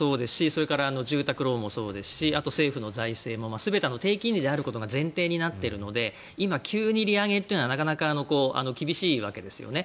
それから住宅ローンもそうですしあと、政府の財政も全て低金利であることが前提になっているので今、急に利上げというのは厳しいわけですよね。